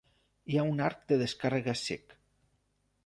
Hi ha un arc de descàrrega cec.